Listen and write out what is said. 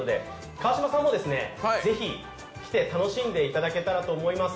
川島さんもぜひ、来て楽しんでいただけたらと思います。